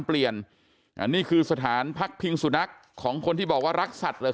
เปลี่ยนอันนี้คือสถานพักพิงสุนัขของคนที่บอกว่ารักสัตว์เหรอ